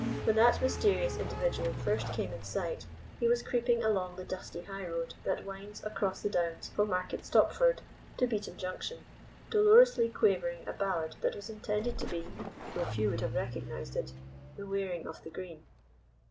When that mysterious individual first came in sight he was creeping along the dusty high road that winds across the Downs from Market Stopford to Beaton Junction, dolorously quavering a ballad that was intended to be, though few would have recognized it, "The Wearing of the Green."